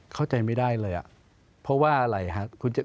เข้าใจไม่ได้เลยเพราะว่าอะไรครับ